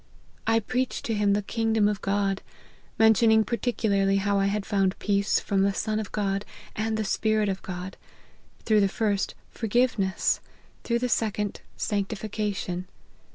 I preached to him the kingdom of God : mentioning particularly how I had found peace from the Son of God and the Spirit of God : through the first, forgiveness ; through the second, sanctification.